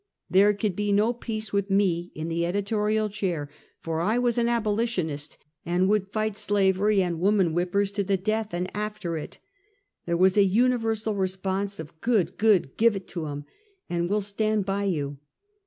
There could be no peace with me in the editorial chair, for I was an abolitionist and would fight slavery and woman whip pers to the death, and after it. There was a universal response of "Good! Good! give it to 'em, and we'll stand by you."